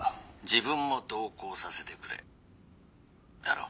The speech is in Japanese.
「自分も同行させてくれ」だろ？